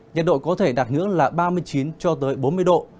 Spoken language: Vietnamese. nhiệt độ có thể đạt ngưỡng là ba mươi chín cho tới bốn mươi độ